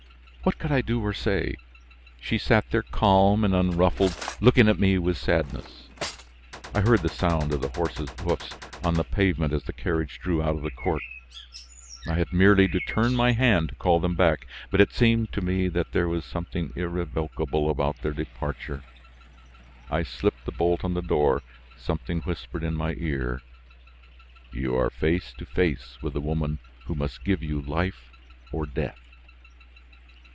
What could I do or say? She sat there calm and unruffled looking at me with sadness. I heard the sound of the horses' hoofs on the pavement as the carriage drew out of the court. I had merely to turn my hand to call them back, but it seemed to me that there was something irrevocable about their departure. I slipped the bolt on the door; something whispered in my ear: "You are face to face with the woman who must give you life or death."